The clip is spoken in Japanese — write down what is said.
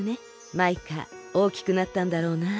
マイカおおきくなったんだろうなあ。